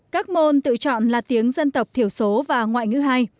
các môn tự chọn là tiếng dân tộc thiểu số và ngoại ngữ hai